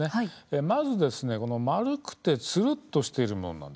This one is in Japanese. まず丸くてつるっとしているもの。